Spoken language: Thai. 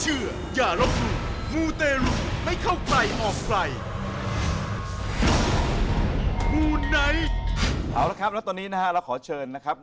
เอาละครับแล้วตอนนี้นะฮะเราขอเชิญนะครับ